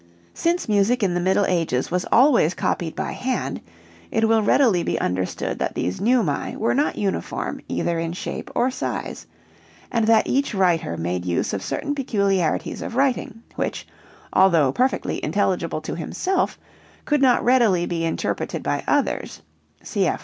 Since music in the middle ages was always copied by hand, it will readily be understood that these neumae were not uniform either in shape or size, and that each writer made use of certain peculiarities of writing, which, although perfectly intelligible to himself, could not readily be interpreted by others (cf.